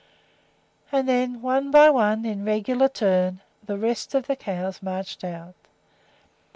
And then, one by one, in regular turn, the rest of the cows marched out.